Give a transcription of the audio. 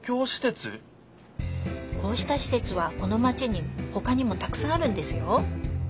こうしたしせつはこのマチにほかにもたくさんあるんですよ。